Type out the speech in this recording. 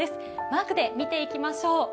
マークで見ていきましょう。